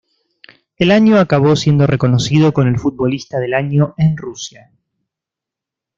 El año acabó siendo reconocido con el Futbolista del año en Rusia.